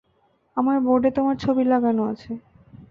আমার বোর্ডে তোমার ছবি লাগানো আছে!